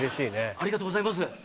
ありがとうございます。